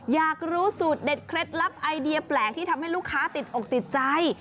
อยากรู้สูตรเด็ดเคล็ดลับไอเดียแปลกที่ทำให้ลูกค้าติดอกติดใจ